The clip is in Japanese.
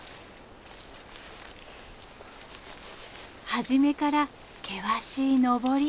初めから険しい登り。